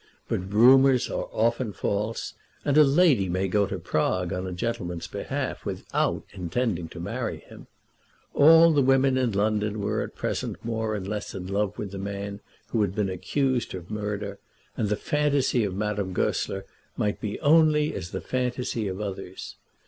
But rumours are often false, and a lady may go to Prague on a gentleman's behalf without intending to marry him. All the women in London were at present more or less in love with the man who had been accused of murder, and the fantasy of Madame Goesler might be only as the fantasy of others.